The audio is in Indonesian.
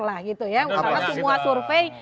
lah gitu ya karena semua survei